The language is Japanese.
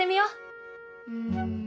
うん。